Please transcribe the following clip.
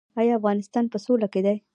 آیا افغانستان په سوله کې دی؟